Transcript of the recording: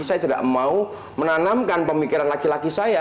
saya tidak mau menanamkan pemikiran laki laki saya